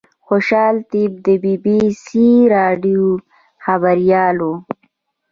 خوشحال طیب د بي بي سي راډیو خبریال و.